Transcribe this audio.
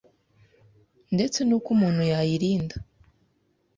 ndetse n’uko umuntu yayirinda.